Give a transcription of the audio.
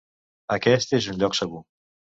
Aquest és un lloc segur.